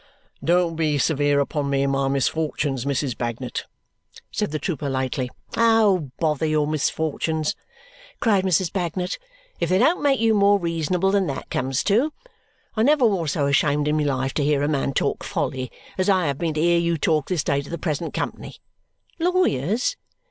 "Don't be severe upon me in my misfortunes, Mrs. Bagnet," said the trooper lightly. "Oh! Bother your misfortunes," cried Mrs. Bagnet, "if they don't make you more reasonable than that comes to. I never was so ashamed in my life to hear a man talk folly as I have been to hear you talk this day to the present company. Lawyers?